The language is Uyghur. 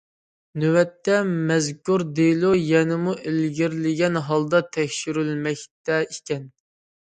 نۆۋەتتە، مەزكۇر دېلو يەنىمۇ ئىلگىرىلىگەن ھالدا تەكشۈرۈلمەكتە ئىكەن.